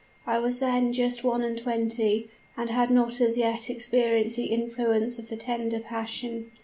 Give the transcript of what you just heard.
I was then just one and twenty, and had not as yet experienced the influence of the tender passion.